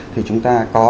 thì chúng ta có